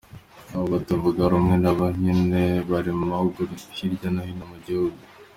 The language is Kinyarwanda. Abo batavuga rumwe nabo nyene bari mu makoraniro hirya no hino mu gihugu.